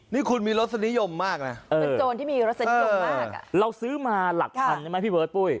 นี่คุณมีรสนิยมมากนะฮะเออเราซื้อมาหลักทันไหมพี่เบิร์ดปุ้ย